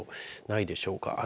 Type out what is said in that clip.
ないでしょうか。